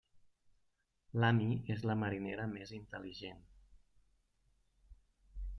L'Ami és la marinera més intel·ligent.